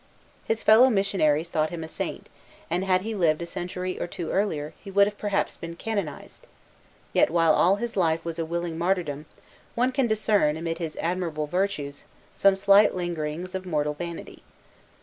His fellow missionaries thought him a saint; and had he lived a century or two earlier, he would perhaps have been canonized: yet, while all his life was a willing martyrdom, one can discern, amid his admirable virtues, some slight lingerings of mortal vanity.